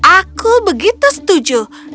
aku begitu setuju